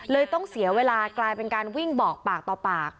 ต้องเสียเวลากลายเป็นการวิ่งบอกปากต่อปาก